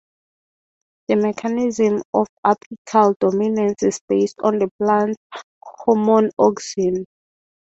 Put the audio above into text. The mechanism of apical dominance is based on the plant hormone auxin.